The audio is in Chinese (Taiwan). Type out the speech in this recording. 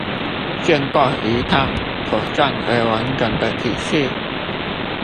建構一套妥善而完整的體系